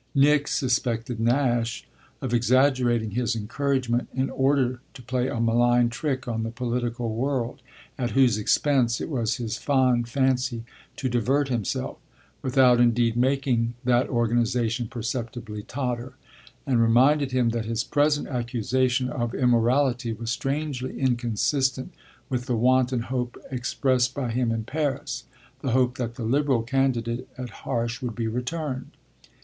Nick suspected Nash of exaggerating his encouragement in order to play a malign trick on the political world at whose expense it was his fond fancy to divert himself without indeed making that organisation perceptibly totter and reminded him that his present accusation of immorality was strangely inconsistent with the wanton hope expressed by him in Paris, the hope that the Liberal candidate at Harsh would be returned.